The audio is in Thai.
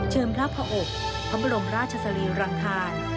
เชิงพระอบพระบรมราชสรีรังทาน